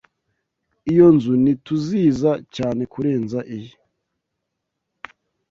Iyo nzu ni TUZIza cyane kurenza iyi.